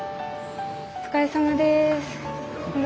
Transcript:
お疲れさまです。